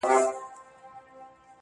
سیاه پوسي ده، ترې کډي اخلو.